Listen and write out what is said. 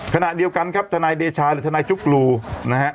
ขณะเดียวกันครับทนายเดชาหรือทนายจุ๊กลูนะฮะ